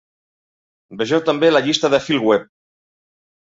Vegeu també la llista de "Philweb".